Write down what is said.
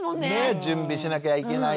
準備しなきゃいけないしね。